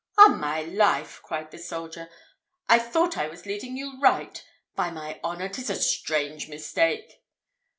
"On my life!" cried the soldier, "I thought I was leading you right. By my honour, 'tis a strange mistake!"